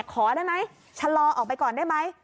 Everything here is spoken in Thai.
ขอได้ไหมชะลอออกไปก่อนได้ไหม